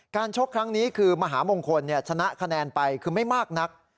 ชกครั้งนี้คือมหามงคลชนะคะแนนไปคือไม่มากนัก